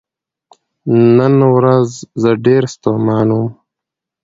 نن ورځ زه ډیر ستومان وم .